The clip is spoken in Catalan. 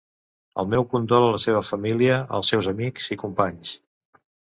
El meu condol a la seva família, als seus amics i companys.